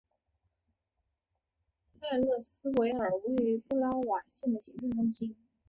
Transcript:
泰特斯维尔为布拉瓦县的行政中心。